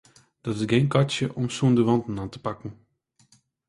Dat is gjin katsje om sûnder wanten oan te pakken.